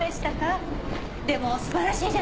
でも素晴らしいじゃないですか。